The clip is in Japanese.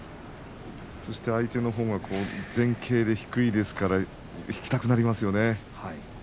そして相手のほうが前傾で低いですから引きたくなりますよね。